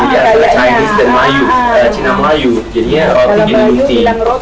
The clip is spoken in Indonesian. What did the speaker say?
jadi antara cina dan mayu jadinya roti genduti